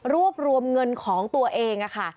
รวมเงินของตัวเองค่ะ